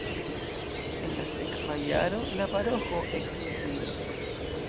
En la sekva jaro la paroĥo ekfunkciis.